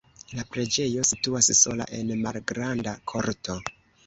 La preĝejo situas sola en malgranda korto.